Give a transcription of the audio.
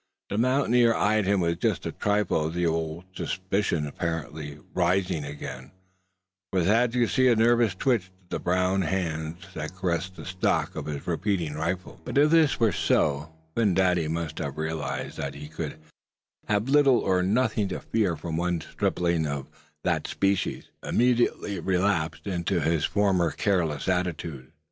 The mountaineer eyed him with just a trifle of the old suspicion apparently rising again; for Thad could see a nervous twitch to the brown hands that caressed the stock of the repeating rifle. But if this were so, Phin Dady must have realized that he could have little or nothing to fear from one stripling of that species; for he immediately relapsed into his former careless attitude.